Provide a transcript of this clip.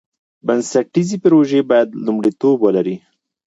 بنسټیزې پروژې باید لومړیتوب ولري.